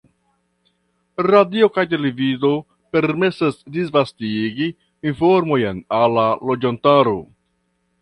Radio kaj televido permesas disvastigi informojn al la loĝantaro.